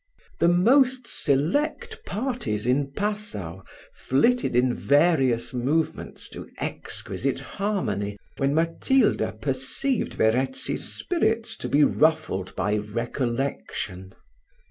The most select parties in Passau, flitted in varied movements to exquisite harmony, when Matilda perceived Verezzi's spirits to be ruffled by recollection.